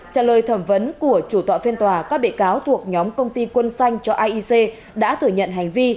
với thẩm vấn của chủ tọa phiên tòa các bị cáo thuộc nhóm công ty quân xanh cho aic đã thử nhận hành vi